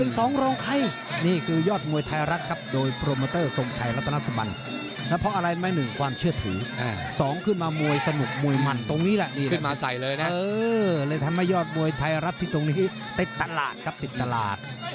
สมัยยอดมวยไทยรัฐที่ตรงนี้ติดตลาดครับติดตลาด